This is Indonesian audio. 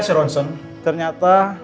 dari hasil ronson ternyata